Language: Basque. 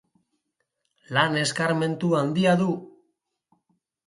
Lan eskarmentu handia du.